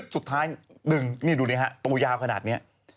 สุดท้ายดึงนี่ดูดิฮะตัวยาวขนาดนี้